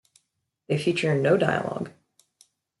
They feature no dialogue.